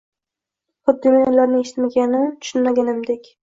Xuddi men ularni eshitmaganim, tushunmaganimdek…»